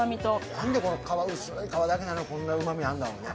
なんで、こんな薄い皮だけなのにこんなうまみあるんだろうね。